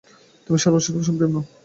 তুমি sorcerer supreme নও?